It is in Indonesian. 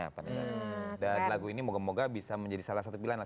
dan lagu ini moga moga bisa menjadi salah satu pilihan